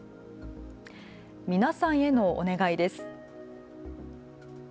皆さんへのお願いです。